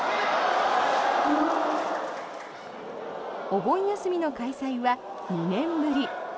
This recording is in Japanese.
お盆休みの開催は２年ぶり。